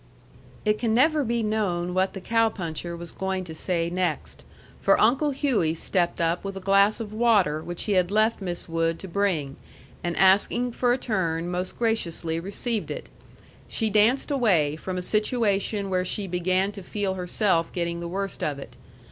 It can never be known what the cow puncher was going to say next; for Uncle Hughey stepped up with a glass of water which he had left Wood to bring, and asking for a turn, most graciously received it. She danced away from a situation where she began to feel herself getting the worst of it.